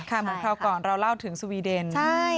ค่ะเหมือนเท่าก่อนเราเล่าถึงสวีเดนใช่